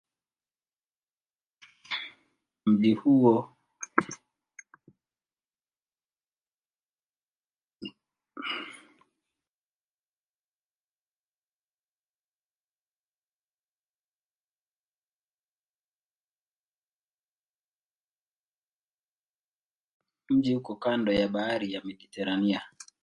Mji uko kando ya bahari ya Mediteranea.